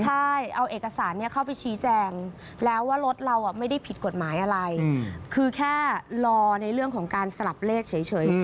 ใช่เอาเอกสารเข้าไปชี้แจงแล้วว่ารถเราไม่ได้ผิดกฎหมายอะไรคือแค่รอในเรื่องของการสลับเลขเฉย